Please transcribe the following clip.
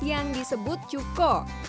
yang disebut cukko